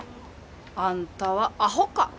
あんたはあほか。